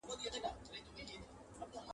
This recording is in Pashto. په مړانه زړه راغونډ کړو د قسمت سره جنګیږو !.